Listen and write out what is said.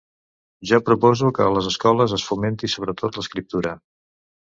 Jo proposo que a les escoles es fomenti sobretot l’escriptura.